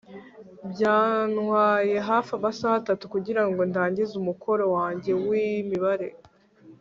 Byantwaye hafi amasaha atatu kugirango ndangize umukoro wanjye wimibare